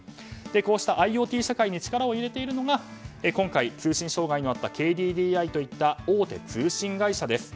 こうしたＩｏＴ社会に力を入れているのが今回、通信障害があったＫＤＤＩといった大手通信会社です。